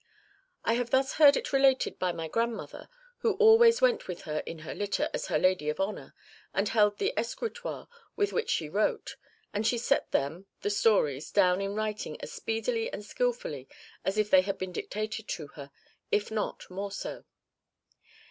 I have thus heard it related by my grandmother, who always went with her in her litter as her lady of honour, and held the escritoire with which she wrote, and she set them (the stories) down in writing as speedily and skilfully as if they had been dictated to her, if not more so."